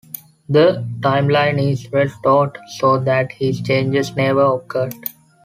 The timeline is restored so that his changes never occurred.